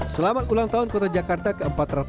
selamat ulang tahun kota jakarta ke empat ratus empat puluh